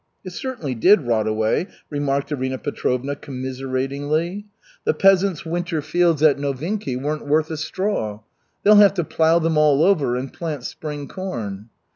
"It certainly did rot away," remarked Arina Petrovna commiseratingly. "The peasants' winter fields at Novinky weren't worth a straw. They'll have to plow them all over and plant spring corn."